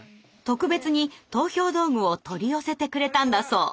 特別に投票道具を取り寄せてくれたんだそう。